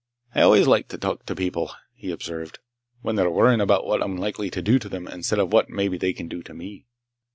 "I always like to talk to people," he observed, "when they're worryin' about what I'm likely to do to them, instead of what maybe they can do to me."